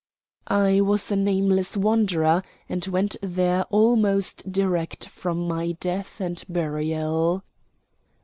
"I was a nameless wanderer, and went there almost direct from my death and burial."